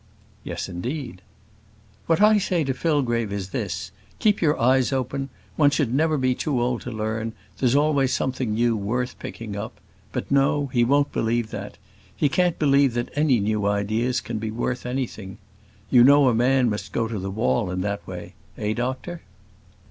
"Yes, indeed." "What I say to Fillgrave is this keep your eyes open; one should never be too old to learn there's always something new worth picking up. But, no he won't believe that. He can't believe that any new ideas can be worth anything. You know a man must go to the wall in that way eh, doctor?"